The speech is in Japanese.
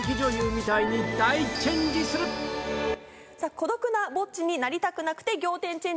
孤独なボッチになりたくなくて仰天チェンジ